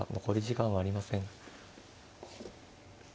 残り時間はありません。